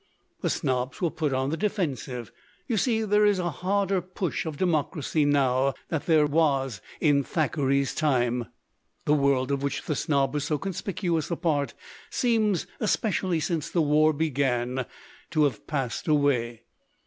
"The snobs were put on the defensive. You see, there is a harder push of democracy now than there was in Thackeray's time. The world of which the snob was so con spicuous a part seems, especially since the war began, to have passed away.